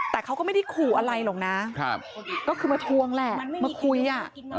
แต่เขาก็ไม่ได้ขู่อะไรหรอกนะก็คือมาทวงแหละมาคุยอ่ะ